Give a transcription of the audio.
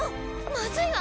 まずいわ！